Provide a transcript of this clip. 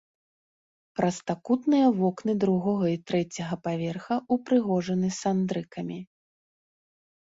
Прастакутныя вокны другога і трэцяга паверха ўпрыгожаны сандрыкамі.